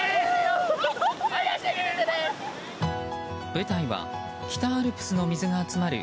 舞台は北アルプスの水が集まる